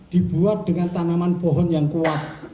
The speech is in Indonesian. dibuat dengan tanaman pohon yang kuat